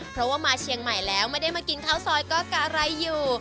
เพราะว่ามาเชียงใหม่แล้วไม่ได้มากินข้าวซอยก็กะไรอยู่